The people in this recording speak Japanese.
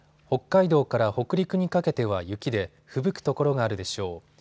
北海道から北陸にかけては雪でふぶく所があるでしょう。